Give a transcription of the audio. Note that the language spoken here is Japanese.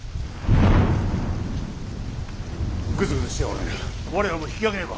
グズグズしてはおれぬ我らも引き揚げねば。